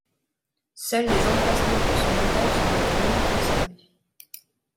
Seuls les emplacements pour son montage sont maintenant conservés.